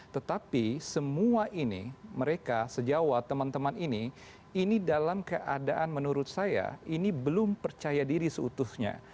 tetapi semua ini mereka sejauh teman teman ini ini dalam keadaan menurut saya ini belum percaya diri seutuhnya